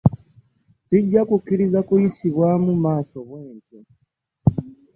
Sijja kukkiriza kuyisibwamu maaso bwentyo.